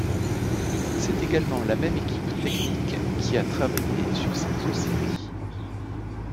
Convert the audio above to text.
C'est également la même équipe technique qui a travaillé sur ces deux séries.